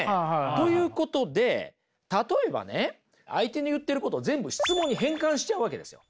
ということで例えばね相手の言ってることを全部質問に変換しちゃうわけですよ。